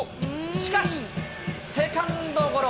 しかし、セカンドゴロ。